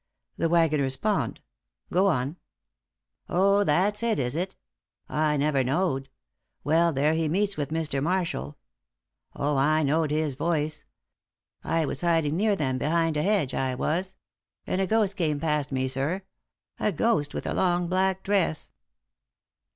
"The Waggoner's Pond. Go on." "Oh, that's it, is it? I never know'd. Well, there he meets with Mr. Marshall. Oh, I know'd his voice. I was hiding near them behind a hedge, I was; and a ghost came past me, sir a ghost with a long black dress."